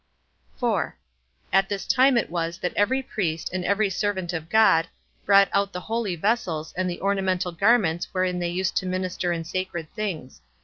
4. At this time it was that every priest, and every servant of God, brought out the holy vessels, and the ornamental garments wherein they used to minister in sacred things.